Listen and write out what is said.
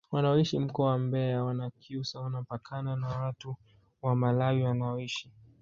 wanaoishi mkoa wa mbeya wanyakyusa wanapakana na watu wa malawi wanaoishi